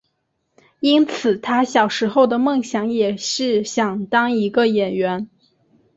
因此他小时候的梦想也是想当一个演员。